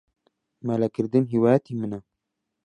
مەلەکردن هیوایەتی منە.